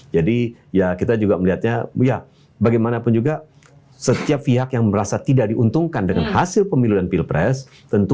jadi ya kita juga melihatnya ya bagaimanapun juga setiap pihak yang merasa tidak diuntungkan dengan hasil pemilu dan pilpres tentu akan berpengaruh